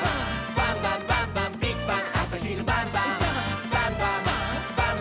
「バンバンバンバンビッグバン！」